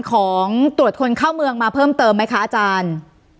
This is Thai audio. ของตรวจคนเข้าเมืองมาเพิ่มเติมไหมคะอาจารย์